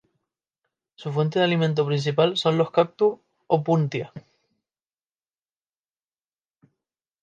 Su fuente de alimento principal son los cactus "Opuntia".